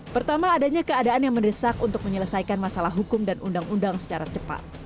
pertama adanya keadaan yang mendesak untuk menyelesaikan masalah hukum dan undang undang secara cepat